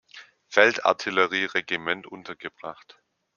Feldartillerie-Regiment untergebracht.